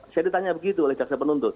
saya ditanya begitu oleh jaksa penuntut